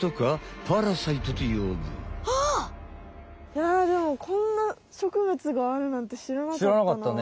いやでもこんな植物があるなんてしらなかったな。